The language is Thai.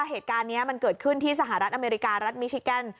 เหตุการณ์นี้มันเกิดขึ้นที่สหรัฐอเมริการัฐมิชิแกน